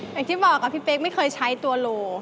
อย่างที่บอกพี่เป๊กไม่เคยใช้ตัวโล